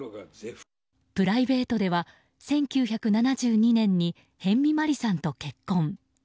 プライベートでは１９７２年に辺見マリさんと結婚。